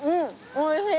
おいしい。